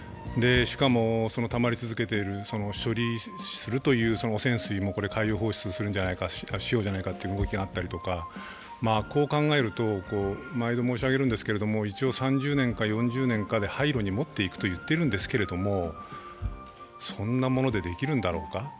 しかもたまり続けている、処理するという汚染水も海洋放出しようじゃないかという動きがあったりとか、こう考えると、毎度申し上げるんですけど一応３０年か４０年かで廃炉に持っていくと言っているんですけれどもそんなものでできるんだろうか。